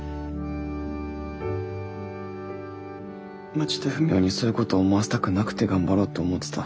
まちとふみおにそういうこと思わせたくなくて頑張ろうって思ってた。